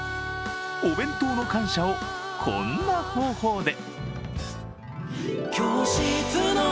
お弁当の感謝をこんな方法で。